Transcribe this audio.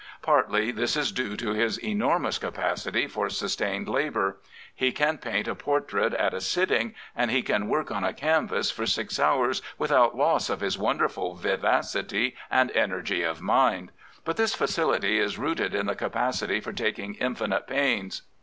Partly this is due to his enormous capacity for sustained labour. He can paint a por trait at a sitting and he can work on a canvas for six hours without loss of his wonderful vivacity and energy of mind. But this facility is rooted in the capacity for taking infinite pains.